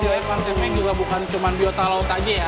jadi bxc ini juga bukan cuma biota laut aja ya